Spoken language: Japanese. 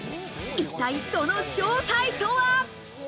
一体その正体とは？